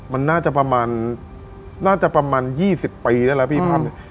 มันน่าจะประมาณน่าจะประมาณยี่สิบปีน่ะแล้วพี่อืม